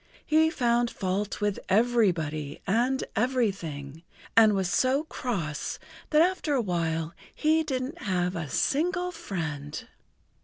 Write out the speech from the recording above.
He found fault with everybody and everything, and was so cross that after a while he didn't have a single friend.